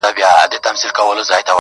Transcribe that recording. را روان په شپه كــــي ســـېــــــل دى,